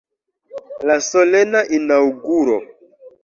La solena inaŭguro.